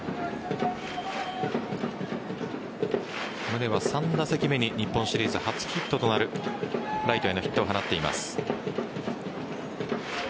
宗は３打席目に日本シリーズ初ヒットとなるライトへのヒットを放っています。